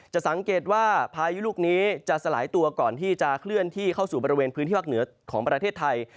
สังเกตว่าพายุลูกนี้จะสลายตัวก่อนที่จะเคลื่อนที่เข้าสู่บริเวณพื้นที่ภาคเหนือของประเทศไทย